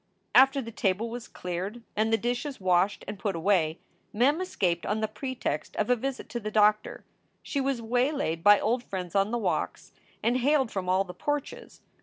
After the table was cleared and the dishes washed and put away, Mem escaped on the pretext of a visit to the doctor. She was waylaid by old friends on the walks and hailed from all the porches.